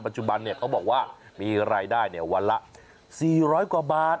จุบันเขาบอกว่ามีรายได้วันละ๔๐๐กว่าบาท